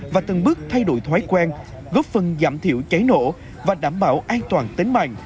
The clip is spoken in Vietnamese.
và từng bước thay đổi thói quen góp phần giảm thiểu cháy nổ và đảm bảo an toàn tính mạng